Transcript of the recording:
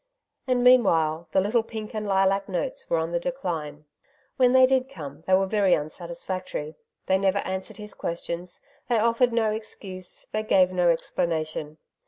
And meanwhile the little pink and lilac notes were on the decline. When they did come they were very unsatisfactory) they never answered his questions, they offered no excuse, they gave no explanation.